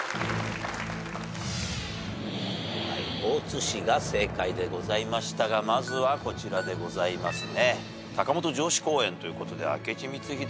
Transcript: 大津市が正解でございましたがまずはこちらでございますね。